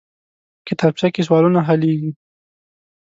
کتابچه کې سوالونه حلېږي